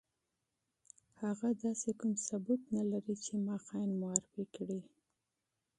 هغه داسې کوم ثبوت نه لري چې ما خاين معرفي کړي.